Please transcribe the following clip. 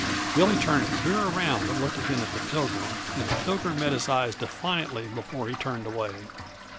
Billy turned clear around and looked again at the Pilgrim, and the Pilgrim met his eyes defiantly before he turned away.